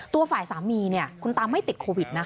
ตัวฝ่ายสามีคุณตาไม่ติดโควิดนะคะ